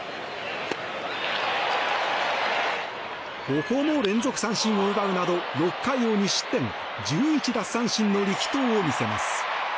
ここも連続三振を奪うなど６回を２失点１１奪三振の力投を見せます。